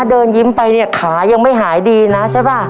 เดินยิ้มไปเนี่ยขายังไม่หายดีนะใช่ป่ะ